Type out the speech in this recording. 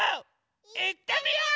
いってみよう！